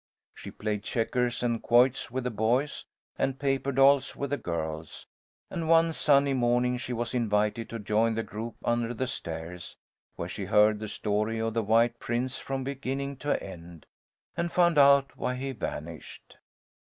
She played checkers and quoits with the boys, and paper dolls with the girls, and one sunny morning she was invited to join the group under the stairs, where she heard the story of the white prince from beginning to end, and found out why he vanished.